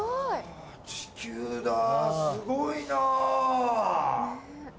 地球だすごいなぁ！